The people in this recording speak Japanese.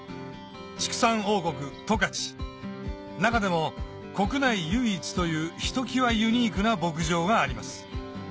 畜産王国十勝中でも国内唯一というひときわユニークな牧場があります